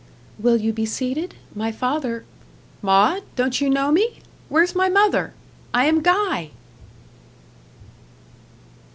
"Will you be seated? My father " "Maud, don't you know me? Where's my mother? I am Guy."